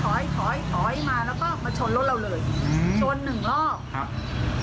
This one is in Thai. ถอยถอยถอยมาแล้วก็มาชนรถเราเลยอืมชนหนึ่งรอบครับ